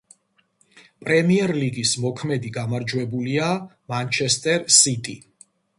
პრემიერლიგის მოქმედი გამარჯვებულია „მანჩესტერ სიტი“.